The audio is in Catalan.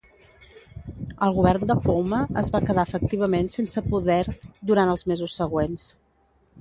El govern de Phouma es va quedar efectivament sense poder durant els mesos següents.